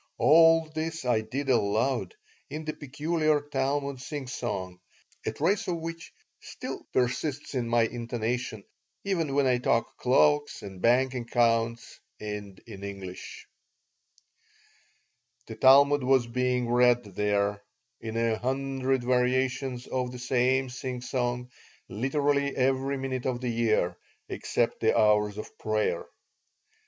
All this I did aloud, in the peculiar Talmud singsong, a trace of which still persists in my intonation even when I talk cloaks and bank accounts and in English The Talmud was being read there, in a hundred variations of the same singsong, literally every minute of the year, except the hours of prayer.